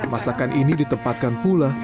masakan ini ditempatkan pula